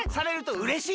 うれしい！